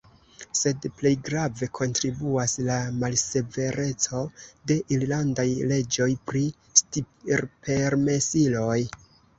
Sed plej grave kontribuas la malsevereco de irlandaj leĝoj pri stirpermesiloj.